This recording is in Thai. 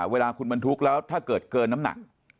เวลาคุณบรรทุกแล้วถ้าเกิดเกินน้ำหนัก